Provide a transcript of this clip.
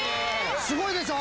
すごいでしょ。